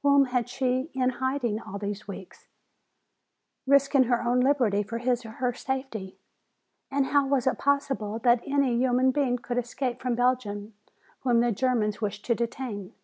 Whom had she in hiding all these weeks, risking her own liberty for his or her safety? And how was it possible that any human being could escape from Belgium whom the Germans wished to detain?